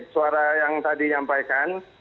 suara yang tadi nyampaikan